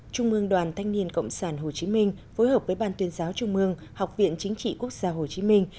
trung mương đoàn thanh niên cộng sản hồ chí minh phối hợp với ban tuyên giáo trung mương học viện chính trị quốc gia hồ chí minh